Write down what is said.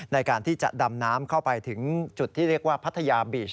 ในการที่จะดำน้ำเข้าไปถึงจุดที่เรียกว่าพัทยาบีช